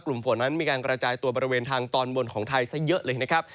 กลุ่มฝนนั้นมีการกระจายตัวบริเวณทางตอนบนของไทยซะเยอะเลยนะครับ